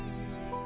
ya tidak pernah